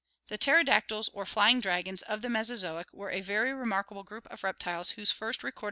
The pterodactyls or flying dragons of the Mesozoic were a very remarkable gpoup of reptiles whose first recorded appearance Fig.